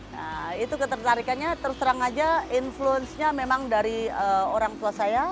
nah itu ketertarikannya terus terang aja influence nya memang dari orang tua saya